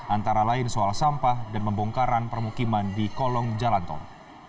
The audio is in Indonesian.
antara lain soal sampah dan membongkaran permukiman di kolong jalantong